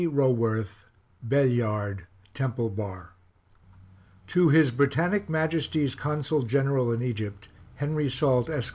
Roworth, Bell Yard Temple Bar TO HIS BRITANNIC MAJESTY'S CONSUL GENERAL IN EGYPT, HENRY SALT, ESQ.